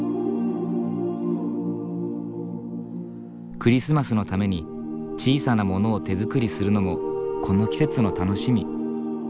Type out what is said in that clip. クリスマスのために小さなものを手作りするのもこの季節の楽しみ。